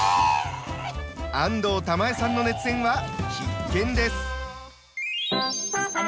安藤玉恵さんの熱演は必見です。